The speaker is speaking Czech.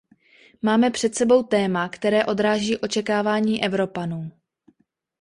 Máme před sebou téma, které odráží očekávání Evropanů.